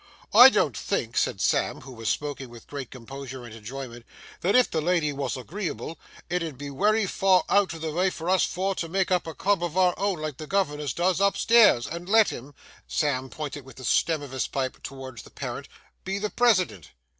'I don't think,' said Sam, who was smoking with great composure and enjoyment, 'that if the lady wos agreeable it 'ud be wery far out o' the vay for us four to make up a club of our own like the governors does up stairs, and let him,' Sam pointed with the stem of his pipe towards his parent, 'be the president.